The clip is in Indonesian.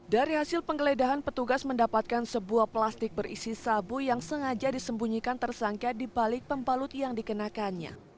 dari hasil penggeledahan petugas mendapatkan sebuah plastik berisi sabu yang sengaja disembunyikan tersangka di balik pembalut yang dikenakannya